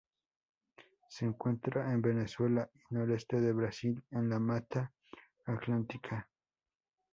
Se encuentra en Venezuela y noreste de Brasil en la Mata Atlántica.